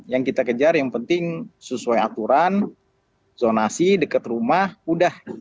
yang kita kejar yang penting sesuai aturan zonasi dekat rumah udah